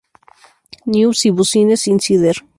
News y Business Insider.